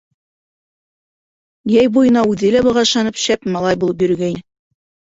Йәй буйына үҙе лә быға ышанып, шәп малай булып йөрөгәйне.